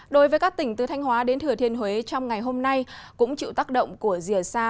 đối với các tỉnh từ thanh hóa đến thừa thiên huế trong ngày hôm nay cũng chịu tác động của rìa xa